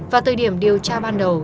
và từ điểm điều tra ban đầu